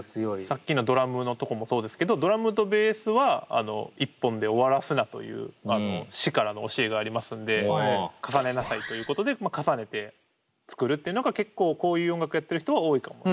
さっきのドラムのとこもそうですけどドラムとベースは１本で終わらすなという師からの教えがありますんで重ねなさいということで重ねて作るっていうのが結構こういう音楽やってる人は多いかもしれないですね。